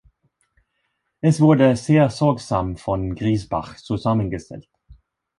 Es wurde sehr sorgsam von Griesbach zusammengestellt.